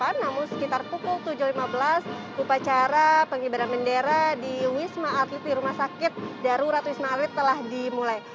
namun sekitar pukul tujuh lima belas upacara pengibaran bendera di wisma atlet di rumah sakit darurat wisma atlet telah dimulai